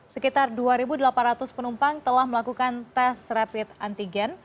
sekitar dua delapan ratus penumpang telah melakukan tes rapid antigen